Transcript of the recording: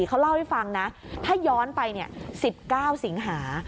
เขาเล่าให้ฟังนะถ้าย้อนไป๑๙สิงหา